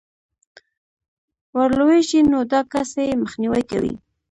ورلوېږي، نو دا كس ئې مخنيوى كوي